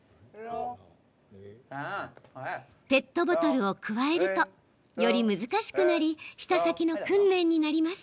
ペットボトルをくわえるとより難しくなり舌先の訓練になります。